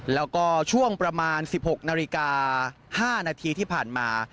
แล้วก็ช่วงประมาณ๑๖นาฬิกา๕นาทีที่ผ่านมา